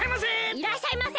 いらっしゃいませ！